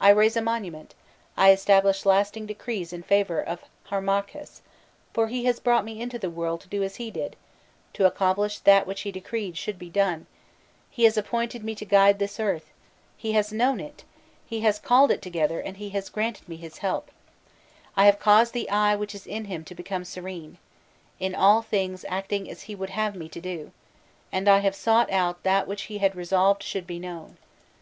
I raise a monument, I establish lasting decrees in favour of Harmakhis, for he has brought me into the world to do as he did, to accomplish that which he decreed should be done; he has appointed me to guide this earth, he has known it, he has called it together and he has granted me his help; I have caused the Eye which is in him to become serene, in all things acting as he would have me to do, and I have sought out that which he had resolved should be known.